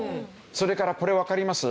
それからこれわかります？